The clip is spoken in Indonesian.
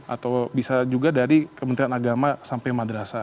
atau bisa juga dari kementerian agama sampai madrasah